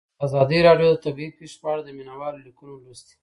ازادي راډیو د طبیعي پېښې په اړه د مینه والو لیکونه لوستي.